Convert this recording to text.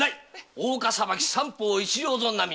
大岡裁き三方一両損なみ。